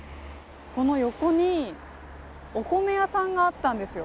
この横にお米屋さんがあったんですよ。